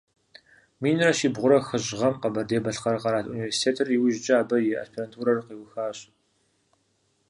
Минрэ щибгъурэ хыщӏ гъэм Къэбэрдей-Балъкъэр къэрал университетыр, иужькӀэ абы и аспирантурэр къиухащ.